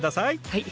はい。